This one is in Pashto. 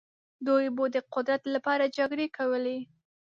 دوی به د قدرت لپاره جګړې کولې.